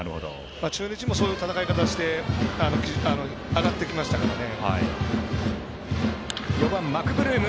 中日もそういう戦い方をして上がってきましたからね。